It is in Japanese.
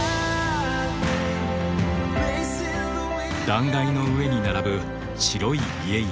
断崖の上に並ぶ白い家々。